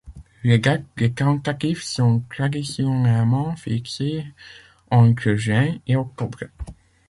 Les dates des tentatives sont traditionnellement fixées entre juin et octobre.